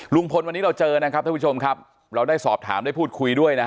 ลุงพลวันนี้เราเจอนะครับท่านผู้ชมครับเราได้สอบถามได้พูดคุยด้วยนะฮะ